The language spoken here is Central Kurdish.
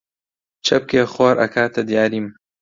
چەپکێ خۆر ئەکاتە دیاریم!